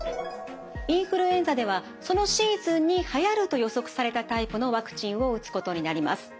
インフルエンザではそのシーズンにはやると予測されたタイプのワクチンを打つことになります。